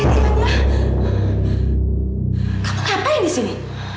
kamu ngapain disini